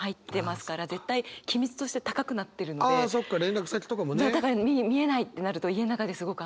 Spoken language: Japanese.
だから見えないってなると家の中ですごく焦ります。